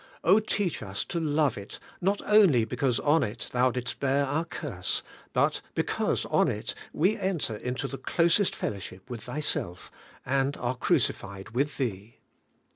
teach us to love it not only because on it Thou didst bear our curse, but because on it we enter into the closest fellowship with Thyself, and are crucified with Thee.